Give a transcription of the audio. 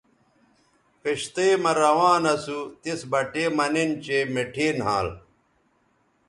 کشتئ مہ روان اسو تس بٹے مہ نِن چہء مٹھے نھال